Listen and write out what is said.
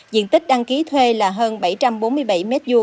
diện tích đăng ký thuê là hơn bảy trăm bốn mươi bảy m hai